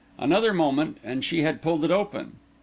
Another moment, and she had pulled it open.